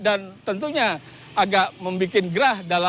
dan tentunya agak membuat gerakan